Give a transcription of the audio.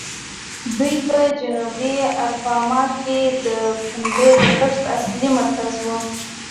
دوی په جنوبي الاباما کې د پنبې د کښت اصلي مرکز وو.